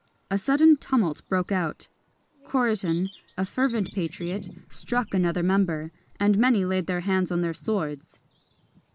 A sudden tumult broke out; Coriton, a fervent patriot, struck another member, and many laid their hands on their swords.